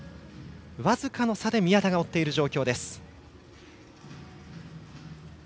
僅かの差で宮田が追っている状況です。